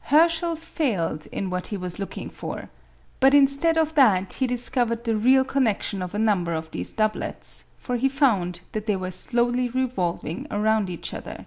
Herschel failed in what he was looking for, but instead of that he discovered the real connection of a number of these doublets, for he found that they were slowly revolving round each other.